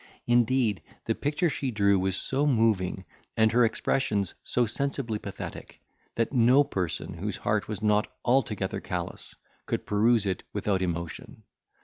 Indeed, the picture she drew was so moving, and her expressions so sensibly pathetic, that no person, whose heart was not altogether callous, could peruse it without emotion.